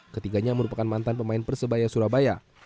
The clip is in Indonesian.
ketiganya merupakan mantan pemain persebaya surabaya